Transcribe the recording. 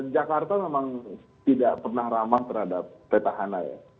jakarta memang tidak pernah ramah terhadap peta hana ya